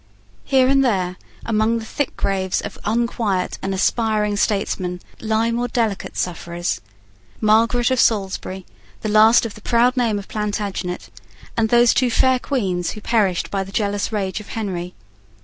Here and there, among the thick graves of unquiet and aspiring statesmen, lie more delicate sufferers; Margaret of Salisbury, the last of the proud name of Plantagenet; and those two fair Queens who perished by the jealous rage of Henry.